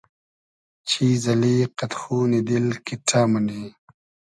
چیز اللی قئد خونی دیل کیݖݖۂ مونی